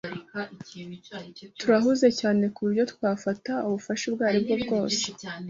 Turahuze cyane kuburyo twafata ubufasha ubwo aribwo bwose.